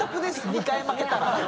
２回負けたら。